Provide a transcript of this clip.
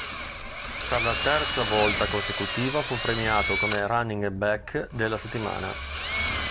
Per la terza volta consecutiva fu premiato come running back della settimana.